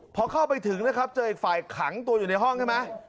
พอเข้าไปถึงนะครับเจออีกฝ่ายขังตัวอยู่ในห้องใช่ไหม